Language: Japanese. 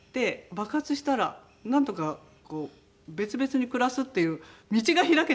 爆発したらなんとかこう別々に暮らすっていう道が開けたんですよね。